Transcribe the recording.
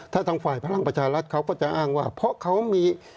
ถ้าทางฝ่ายพลังประชารัฐเขาก็จะอ้างว่าเพราะเขามี